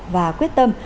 và quyết tâm